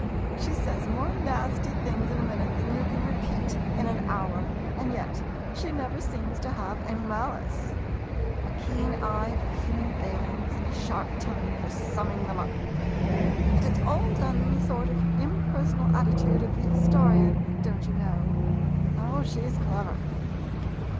She says more nasty things in a minute than you can repeat in an hour, and yet she never seems to have any malice. A 57 MODERN MONOLOGUES keen eye for human failings, and a sharp tongue for summing them up— and it 's all done in the sort of impersonal attitude of the historian, don't you know. Oh, she's clever.